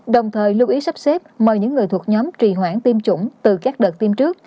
đồng thời lưu ý sắp xếp mời những người thuộc nhóm trì hoãn tiêm chủng từ các đợt tiêm trước